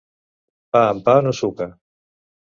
Pa amb pa no suca.